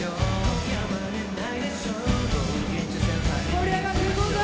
盛り上がっていこうぜ！